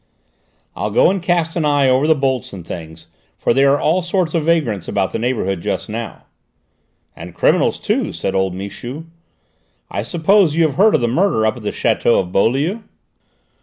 I'll go and cast an eye over the bolts and things, for there are all sorts of vagrants about the neighbourhood just now." "And criminals, too," said old Michu. "I suppose you have heard of the murder up at the château of Beaulieu?"